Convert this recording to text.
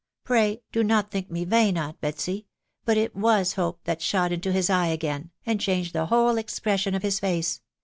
pray, do not think me vain, aunt Betsy, — but it was hope that shot into his eye again, and changed the whole expression of his face